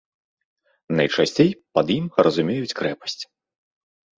Найчасцей пад ім разумеюць крэпасць.